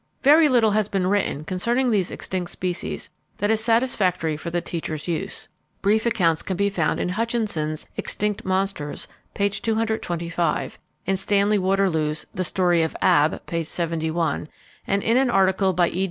Very little has been written concerning these extinct species that is satisfactory for the teacher's use. Brief accounts can be found in Hutchinson's Extinct Monsters, p. 225; in Stanley Waterloo's The Story of Ab, p. 71; and in an article by E.